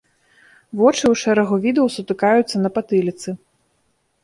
Вочы ў шэрагу відаў сутыкаюцца на патыліцы.